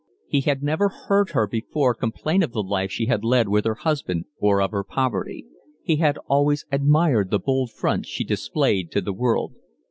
He had never heard her before complain of the life she had led with her husband or of her poverty. He had always admired the bold front she displayed to the world.